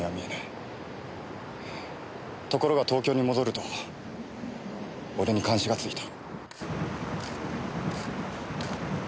ところが東京に戻ると俺に監視がついた。